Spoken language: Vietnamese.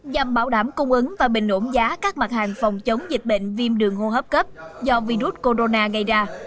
nhằm bảo đảm cung ứng và bình ổn giá các mặt hàng phòng chống dịch bệnh viêm đường hô hấp cấp do virus corona gây ra